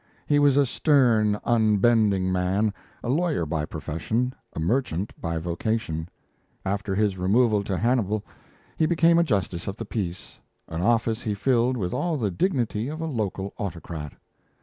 He was a stern, unbending man, a lawyer by profession, a merchant by vocation; after his removal to Hannibal he became a Justice of the Peace, an office he filled with all the dignity of a local autocrat.